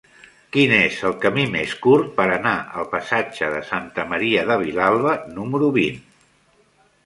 Quin és el camí més curt per anar al passatge de Santa Maria de Vilalba número vint?